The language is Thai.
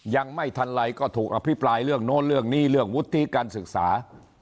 ยังไม่ทันไรก็ถูกอภิปรายเรื่องโน้นเรื่องนี้เรื่องวุฒิการศึกษา